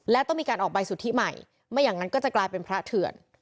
และต้องมีการออกใบสุทธิใหม่ไม่อย่างนั้นก็จะกลายเป็นพระเถื่อน